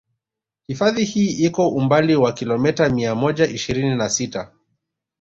Hifadhi hii iko umbali wa kilometa mia moja ishirini na sita